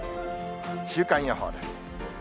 週間予報です。